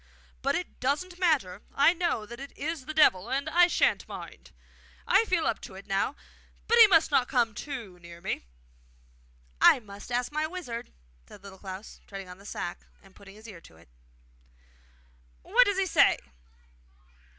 But it doesn't matter. I know that it is the Devil, and I sha'n't mind! I feel up to it now. But he must not come too near me!' 'I must ask my wizard,' said Little Klaus, treading on the sack and putting his ear to it. 'What does he say?